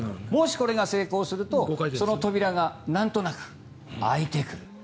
もし、これが成功するとその扉がなんとなく開いてくる。